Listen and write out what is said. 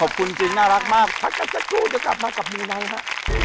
ขอบคุณจริงน่ารักมากถ้าเกิดจะพูดจะมากับมือในฮะ